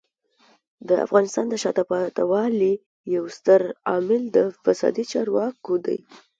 د افغانستان د شاته پاتې والي یو ستر عامل د فسادي چارواکو دی.